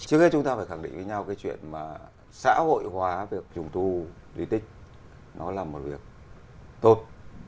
trước hết chúng ta phải khẳng định với nhau cái chuyện mà xã hội hóa việc trùng tu di tích nó là một việc tốt